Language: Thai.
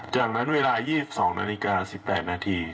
จากนั้นเวลา๒๒นาฬิกา๑๘นาที